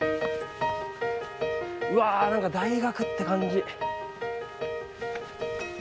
うわ何か大学って感じ。